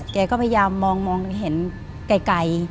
แกก็พยายามมองมาเจอกันใกล้